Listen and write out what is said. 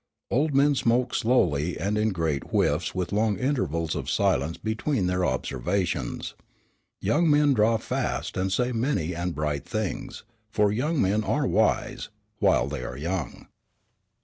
Old men smoke slowly and in great whiffs with long intervals of silence between their observations. Young men draw fast and say many and bright things, for young men are wise, while they are young.